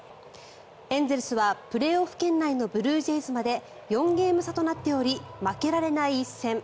エンゼルスはプレーオフ圏内のブルージェイズまで４ゲーム差となっており負けられない一戦。